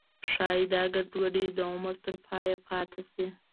ښایي دا ګډوډي د عمر تر پایه پاتې شي.